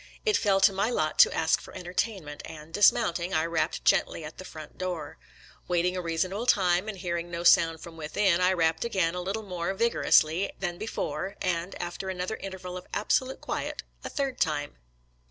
It fell to my lot to ask for entertainment, and, dismounting, I rapped gently at the front door. Waiting a reasonable time and hearing no sound from within, I rapped again a little more vigor ously than before, and, after another interval of absolute quiet, a third time.